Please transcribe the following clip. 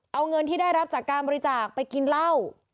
เอาเงินที่ได้รับจากการบริจาคไปกินเหล้า